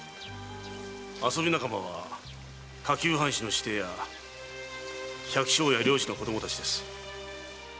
遊び仲間は下級藩士の子弟や百姓や漁師の子供たちです。